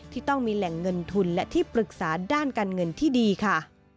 ที่ต้องมีแหล่งเงินทุนและที่ปรึกษาด้านการเงินที่ดีค่ะ